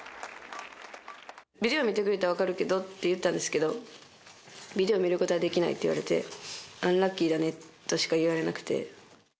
ビデオ見てくれたら分かるけどって言ったんですけど、ビデオを見ることはできないって言われて、アンラッキーだねとしか言われなくて。